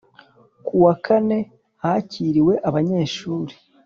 Ku wakane hakiriwe abanyeshuri